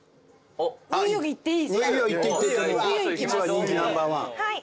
人気ナンバーワン。